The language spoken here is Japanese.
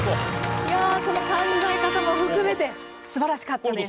いやその考え方も含めてすばらしかったです。